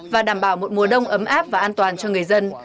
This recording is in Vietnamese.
và đảm bảo một mùa đông ấm áp và an toàn cho người dân